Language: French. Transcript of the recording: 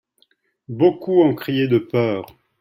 Beaucoup ont crié de peur.